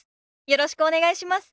よろしくお願いします。